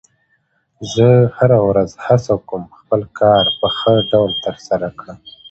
زه هره ورځ هڅه کوم خپل کار په ښه ډول ترسره کړم